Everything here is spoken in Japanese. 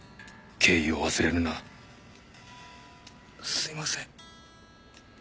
すいません。